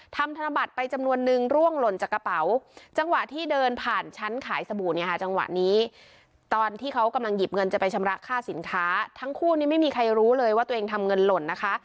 ธนบัตรไปจำนวนนึงร่วงหล่นจากกระเป๋าจังหวะที่เดินผ่านชั้นขายสบู่เนี่ยค่ะจังหวะนี้ตอนที่เขากำลังหยิบเงินจะไปชำระค่าสินค้าทั้งคู่นี้ไม่มีใครรู้เลยว่าตัวเองทำเงินหล่นนะคะ